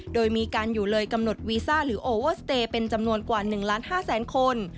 โดยมีการอยู่เลยกำหนดวีซ่าหรือโอเวอร์สเตย์เป็นจำนวนกว่า๑ล้าน๕แสนคน